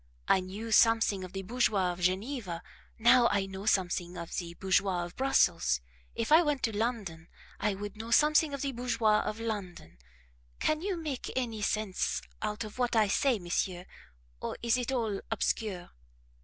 I knew something of the bourgeois of Geneva, now I know something of the bourgeois of Brussels; if I went to London, I would know something of the bourgeois of London. Can you make any sense out of what I say, monsieur, or is it all obscure?"